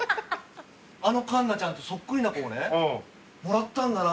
あの環奈ちゃんとそっくりな子をねもらったんだな。